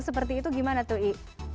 seperti itu gimana tuh i